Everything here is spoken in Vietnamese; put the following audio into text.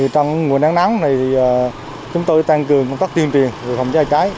trong nguồn nắng nắng này chúng tôi tăng cường công tác tuyên truyền về phòng cháy cháy